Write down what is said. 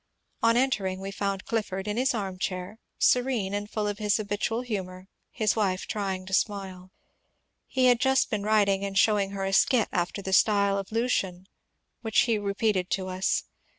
On entering we found Clifford in his armchair, serene and full of his habitual humour, hi8 wife trying to 8mile. He had just been writing and showing her a skit after the style of Lucian which he re peated to us.